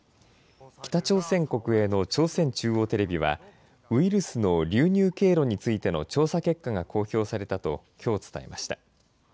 北朝鮮国営の朝鮮中央テレビはウイルスの流入経路についての調査結果が公表されたときょう伝えました。